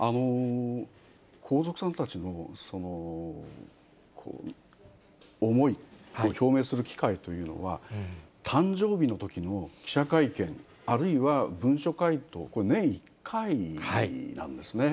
皇族さんたちの思いを表明する機会というのは、誕生日のときの記者会見、あるいは文書回答、年１回なんですね。